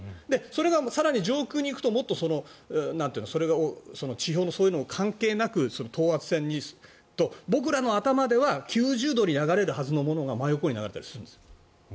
それが更に上空に行くとそれがそういうの関係なく等圧線と僕らの頭では９０度に流れるはずのものが真横に流れたりするんです。